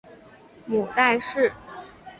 母戴氏。